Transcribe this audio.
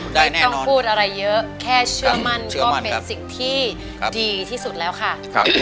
ไม่ต้องพูดอะไรเยอะแค่เชื่อมั่นก็เป็นสิ่งที่ดีที่สุดแล้วค่ะ